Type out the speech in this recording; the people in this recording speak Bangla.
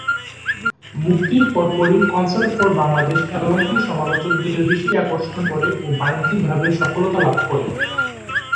মুক্তির পরপরই 'কনসার্ট ফর বাংলাদেশ' অ্যালবামটি সমালোচকদের দৃষ্টি আকর্ষণ করে ও বাণিজ্যিকভাবে সফলতা লাভ করে।